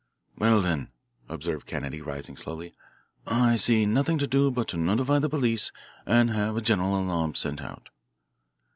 "Well, then," observed Kennedy, rising slowly, "I see nothing to do but to notify the police and have a general alarm sent out."